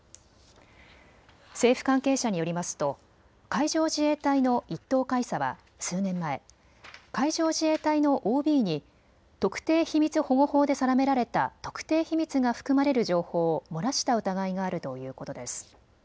政府関係者によりますと海上自衛隊の１等海佐は数年前、海上自衛隊のＯＢに特定秘密保護法で定められた特定秘密が含まれる情報を漏らした疑いがあるということです。